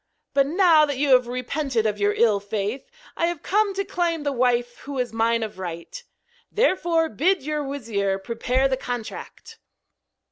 But now that you have repented of your ill faith, I have come to claim the wife who is mine of right. Therefore bid your wizir prepare the contract.'